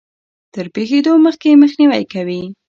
تر پېښېدو مخکې يې مخنيوی کوي.